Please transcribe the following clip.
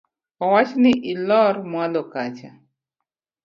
Owachi ni ilor mwalo kacha.